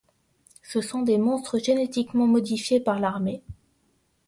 Ce sont des monstres génétiquement modifiés par l'armée.